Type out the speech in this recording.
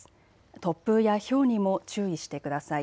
突風やひょうにも注意してください。